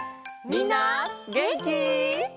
みんなげんき？